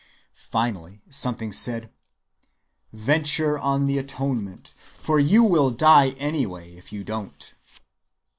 Finally something said: 'Venture on the atonement, for you will die anyway if you don't.